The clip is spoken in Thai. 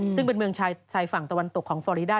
ซึ่งเป็นเมืองชายฝั่งตะวันตกของฟอริดา